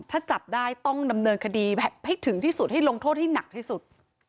ถ้าจับได้ต้องดำเนินคดีแบบให้ถึงที่สุด